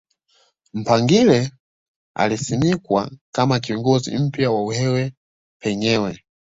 Mpangile alisimikwa kama kiongozi mpya wa Uhehe penyewe